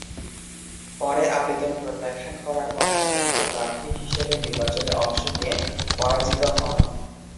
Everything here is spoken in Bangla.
পরে আবেদন প্রত্যাখ্যান করার পর সতন্ত্র প্রার্থী হিসেবে নির্বাচনে অংশ নিয়ে পরাজিত হন।